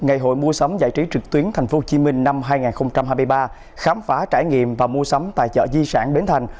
ngày hội mua sắm giải trí trực tuyến tp hcm năm hai nghìn hai mươi ba khám phá trải nghiệm và mua sắm tài trợ di sản bến thành